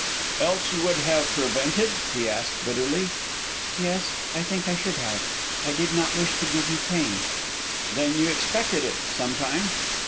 "Else you would have prevented?" he asked, bitterly. "Yes. I think I should have. I did not wish to give you pain " "Then you expected it, some time?"